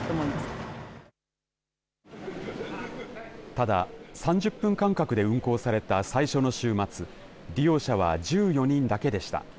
ただ、３０分間隔で運行された最初の週末利用者は１４人だけでした。